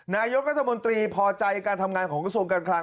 นายกรัฐมนตรีพอใจการทำงานของกระทรวงการคลัง